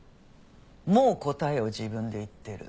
もう答えを自分で言ってる。